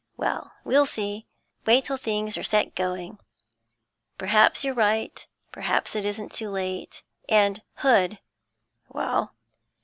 Well, we'll see; wait till things are set going. Perhaps you're right; perhaps it isn't too late. And, Hood ' 'Well?'